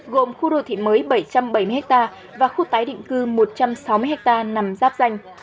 gồm khu đô thị mới bảy trăm bảy mươi ha và khu tái định cư một trăm sáu mươi ha nằm giáp danh